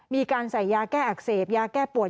มีการใส่ยาแก้อักเสบยาแก้ปวด